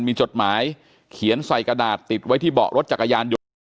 มีจดหมายเขียนใส่กระดาษติดไว้ที่เบาะรถจักรยานยนต์